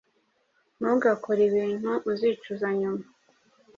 Ntugakore ibintu uzicuza nyuma